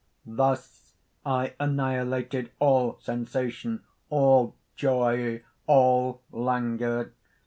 "Thus I annihilated all sensation, all joy, all languor.